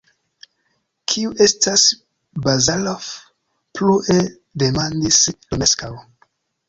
Kiu estas Barazof? plue demandis Romeskaŭ.